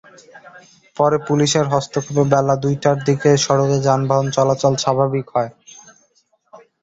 পরে পুলিশের হস্তক্ষেপে বেলা দুইটার দিকে সড়কে যানবাহন চলাচল স্বাভাবিক হয়।